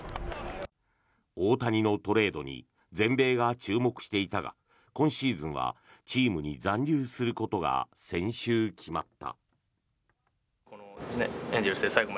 大谷のトレードに全米が注目していたが今シーズンはチームに残留することが先週決まった。